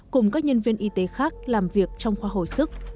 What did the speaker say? cùng các nhân viên y tế khác làm việc trong khoa hồi sức